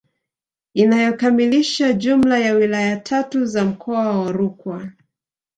Inayokamilisha jumla ya wilaya tatu za mkoa wa Rukwa